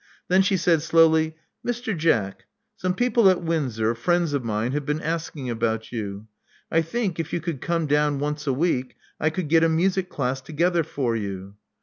Then she said slowly, Mr. Jack: some people at Windsor, friends of mine, have been asking about you. I think, if you could come down once a week, I could get a music class together for you."